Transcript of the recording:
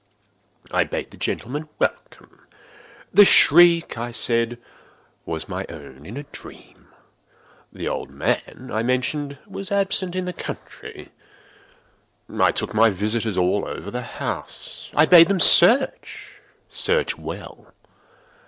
I bade the gentlemen welcome. The shriek, I said, was my own in a dream. The old man, I mentioned, was absent in the country. I took my visitors all over the house. I bade them search—search well.